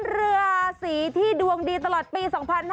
เรือสีที่ดวงดีตลอดปี๒๕๕๙